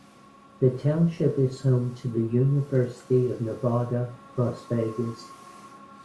The township is home to the University of Nevada, Las Vegas.